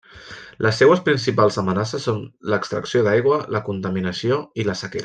Les seues principals amenaces són l'extracció d'aigua, la contaminació i la sequera.